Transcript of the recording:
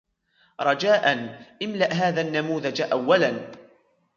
رجاءً ، املأ هذا النموذج أولًا.